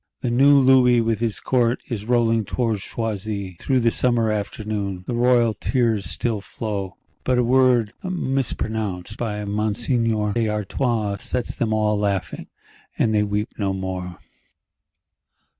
The new Louis with his Court is rolling towards Choisy, through the summer afternoon: the royal tears still flow; but a word mispronounced by Monseigneur d'Artois sets them all laughing, and they weep no more.